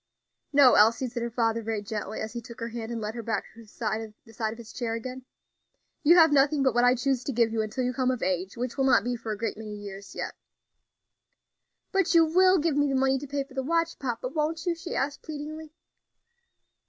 "No, Elsie," said her father, very gently, as he took her hand and led her back to the side of his chair again, "you have nothing but what I choose to give you, until you come of age, which will not be for a great many years yet." "But you will give me the money to pay for the watch papa, won't you?" she asked, pleadingly.